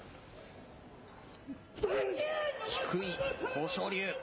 低い、豊昇龍。